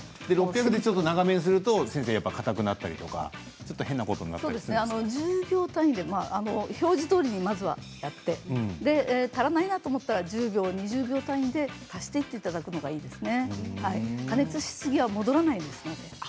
６００でちょっと長めにするとかたくなったりとか１０秒単位で表示どおりにまずはやって足らないなと思ったら１０秒２０秒単位で足していっていただくのがいいですね。